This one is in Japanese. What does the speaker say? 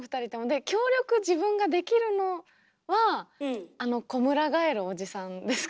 で協力自分ができるのはこむら返るおじさんですか。